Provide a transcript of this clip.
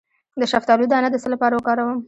د شفتالو دانه د څه لپاره وکاروم؟